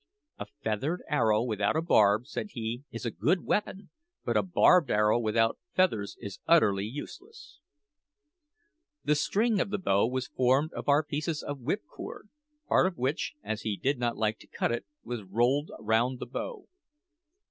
"A feathered arrow without a barb," said he, "is a good weapon, but a barbed arrow without feathers is utterly useless." The string of the bow was formed of our piece of whip cord, part of which, as he did not like to cut it, was rolled round the bow.